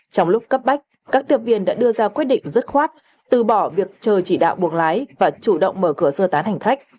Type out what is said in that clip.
trong lúc cấp bách các tiếp viên đã đưa ra quyết định dứt khoát từ bỏ việc chờ chỉ đạo buộc lái và chủ động mở cửa sơ tán hành khách